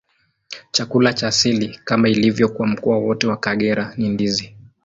Chakula cha asili, kama ilivyo kwa mkoa wote wa Kagera, ni ndizi.